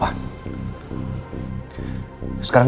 sekarang dia udah di sini